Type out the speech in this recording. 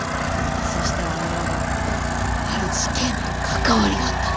そしたらあのワゴンある事件と関わりがあったの。